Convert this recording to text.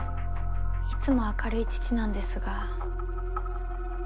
いつも明るい父なんですが。